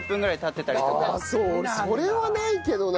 俺それはないけどな。